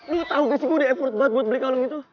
lu tahu gak sih gue udah effort banget buat beli kalung itu